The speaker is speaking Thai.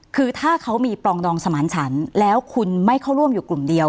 คือถ้าเขามีปลองดองสมานฉันแล้วคุณไม่เข้าร่วมอยู่กลุ่มเดียว